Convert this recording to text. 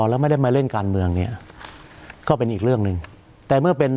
แล้วไม่ได้มาเล่นการเมืองเนี่ยก็เป็นอีกเรื่องหนึ่งแต่เมื่อเป็น